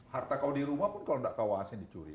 harta kau di rumah pun kalau tidak kawasin dicuri